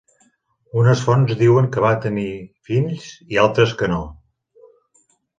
Unes fonts diuen que va tenir fills i altres que no.